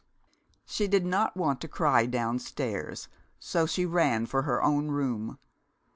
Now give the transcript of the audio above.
She did not want to cry downstairs, so she ran for her own room.